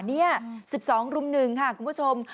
นี่๑๒รุ่ม๑ค่ะคุณผู้ชม